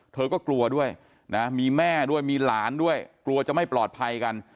เธอก็กลัวด้วยนะมีแม่ด้วยมีหลานด้วยกลัวจะไม่ปลอดภัยกัน